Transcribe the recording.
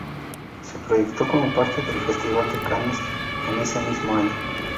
Se proyectó como parte del Festival de Cannes en ese mismo año.